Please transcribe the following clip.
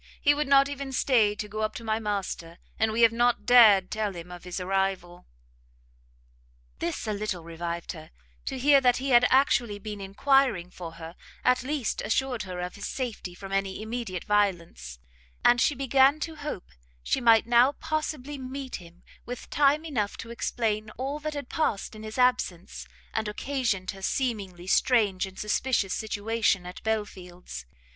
He would not even stay to go up to my master, and we have not dared tell him of his arrival." This a little revived her; to hear that he had actually been enquiring for her, at least assured her of his safety from any immediate violence, and she began to hope she might now possibly meet with him time enough to explain all that had past in his absence, and occasioned her seemingly strange and suspicious situation at Belfield's.